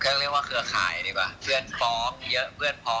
คือซีเรียสมากแบบเอ้ยมันใหญ่มากเราก็เริ่มรู้สึกแบบเป็นห่วงอะค่ะ